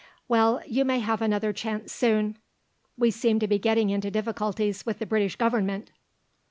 "Well, you may have another chance soon. We seem to be getting into difficulties with the British Government."